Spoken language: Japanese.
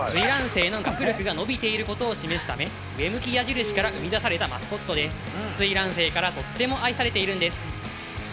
生の学力が伸びていることを示すため上向き矢印から生み出されたマスコットで翠嵐生からとっても愛されているんです。